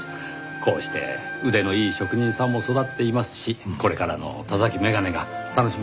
こうして腕のいい職人さんも育っていますしこれからの田崎眼鏡が楽しみですね。